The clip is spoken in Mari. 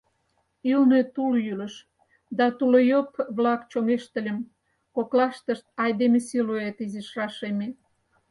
Ӱлнӧ тул йӱлыш да тулойып-влак чоҥештыльым, коклаштышт айдеме силуэт изиш рашеме.